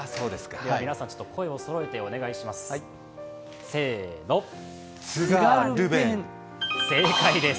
皆さん声をそろえてお願いします。